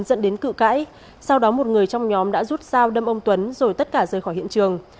dẫn đến cự cãi sau đó một người trong nhóm đã rút sao đâm ông tuấn rồi tất cả rời khỏi hiện trường